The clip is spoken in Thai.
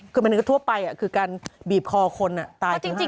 คือมันก็ทั่วไปคือการบีบคอคนตายถึง๕นาที